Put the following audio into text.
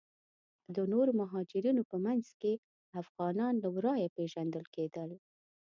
د نورو مهاجرینو په منځ کې افغانان له ورایه پیژندل کیدل.